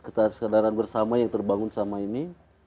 kesadaran bersama yang terbangun sama ini